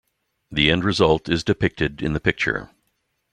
The end result is depicted in the picture.